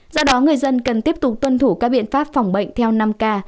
do đó người dân cần tiếp tục tuân thủ các biện pháp phòng bệnh theo năm k